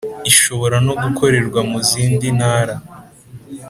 ishobora no gukorerwa mu zindi ntara